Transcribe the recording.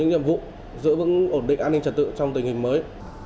nhiệm vụ giữ vững ổn định an ninh trật tự trong tình hình mới